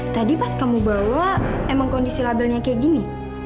tadi pas kamu bawa emang kondisi labelnya kayak gini